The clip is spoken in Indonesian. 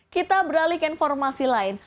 kita beralih ke informasi lain